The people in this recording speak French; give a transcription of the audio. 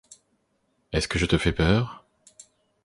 Est-ce que je te fais peur ?